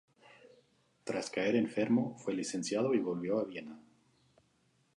Tras caer enfermo, fue licenciado y volvió a Viena.